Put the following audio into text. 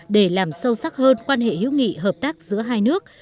để làm sâu sắc hơn quan hệ hữu nghị hợp tác giữa hai nước